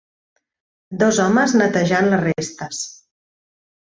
Dos homes netejant les restes.